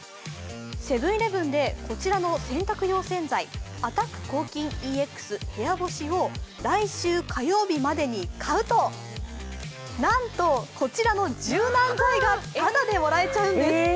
セブン−イレブンでこちらの洗濯用洗剤、アタック抗菌ＥＸ部屋干しを来週火曜日までに買うとなんとこちらの柔軟剤がただでもらえちゃうんです。